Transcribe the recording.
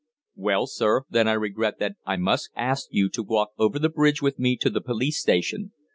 "Well, sir, then I regret that I must ask you to walk over the bridge with me to the police station.